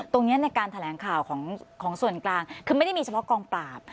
ในการแถลงข่าวของส่วนกลางคือไม่ได้มีเฉพาะกองปราบ